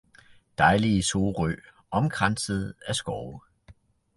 Dejlige Sorø omkranset af skove!